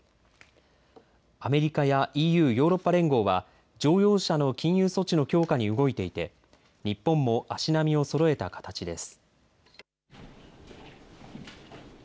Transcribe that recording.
アメリカやＥＵ・ヨーロッパ連合は乗用車の禁輸措置の強化に動いていて日本も足並みをそろえた形です。